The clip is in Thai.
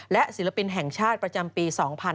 และศิลปินแห่งชาติประจำปี๒๕๕๙